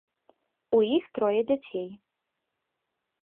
У іх трое дзяцей.